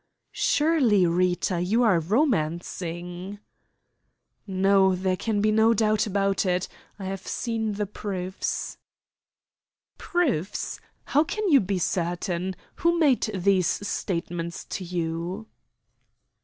"Surely, Rita, you are romancing?" "No, there can be no doubt about it. I have seen the proofs." "Proofs! How can you be certain? Who made these statements to you?"